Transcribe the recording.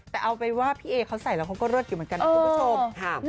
แต่เอาไปว่าพี่เรียจะใส่อัมวงนี่เลยคือเร็วขึ้นอยู่เหมือนกันครับคุณผู้ชม